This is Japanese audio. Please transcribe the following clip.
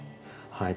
はい。